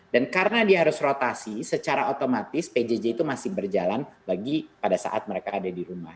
dan karena dia harus rotasi secara otomatis pjj itu masih berjalan pada saat mereka ada di rumah